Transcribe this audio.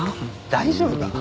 大丈夫か？